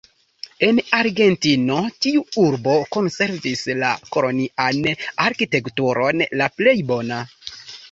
En Argentino tiu urbo konservis la kolonian arkitekturon la plej bona.